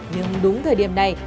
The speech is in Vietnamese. nhưng đúng thời điểm này